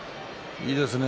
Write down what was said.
いいですね。